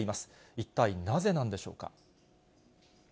一体なぜなんでしょうか。